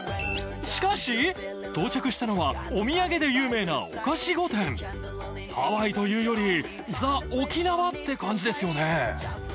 しかし到着したのはお土産で有名な御菓子御殿ハワイというよりザ・沖縄って感じですよね